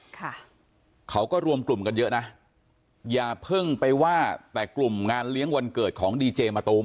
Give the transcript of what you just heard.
ค่ะเขาก็รวมกลุ่มกันเยอะนะอย่าเพิ่งไปว่าแต่กลุ่มงานเลี้ยงวันเกิดของดีเจมะตูม